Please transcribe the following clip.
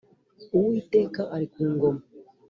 uwiteka ari ku ngoma;